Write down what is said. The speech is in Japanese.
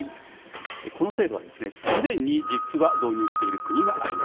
この制度は、すでに実は導入している国があります。